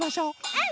うん！